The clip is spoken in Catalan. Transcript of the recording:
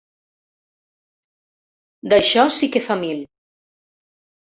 D'això sí que fa mil!